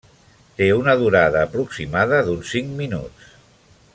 Té una durada aproximada d’uns cinc minuts.